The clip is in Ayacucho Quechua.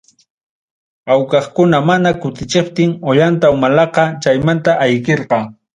Awqaqkuna mana kutichiptin, Ollanta Humalaqa chaymanta ayqirqa.